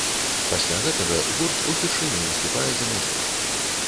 Пасля гэтага гурт упершыню выступае за мяжой.